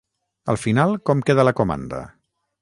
Al final com queda la comanda?